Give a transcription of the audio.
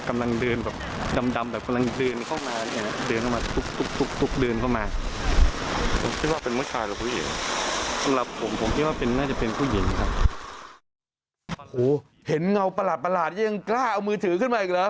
อ่าลังผมผมมอยากเป็นก็จะเป็นผู้หญิงค่ะโอ้เห็นเงาปลาดปลาดยังกล้าเอามือถือขึ้นมาอีกหรือ